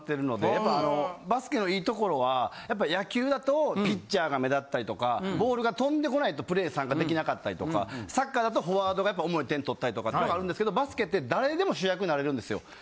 やっぱあのバスケの良いところはやっぱ野球だとピッチャーが目立ったりとかボールが飛んでこないとプレー参加できなかったりとかサッカーだとフォワードがやっぱ主に点取ったりとかあるんですけどバスケって誰でも主役になれるんですよ。